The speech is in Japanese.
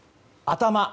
頭。